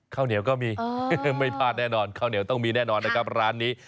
ข้าวเหนียวก็มีไม่พลาดแน่นอนข้าวเหนียวต้องมีแน่นอนนะครับร้านนี้